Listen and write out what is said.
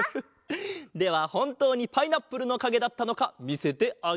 ではほんとうにパイナップルのかげだったのかみせてあげよう。